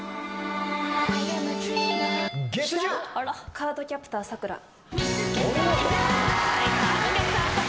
『カードキャプターさくら』お見事！